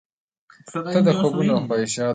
ته د خوبونو او خواهشاتو،